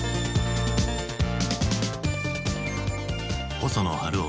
細野晴臣